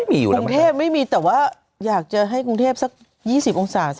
กรุงเทพไม่มีแต่ว่าอยากจะให้กรุงเทพสัก๒๐องศา